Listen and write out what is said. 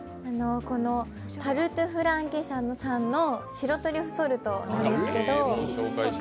タルトゥフランゲ社さんの白トリュフソルトなんですけど。